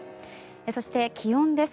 そして、気温です。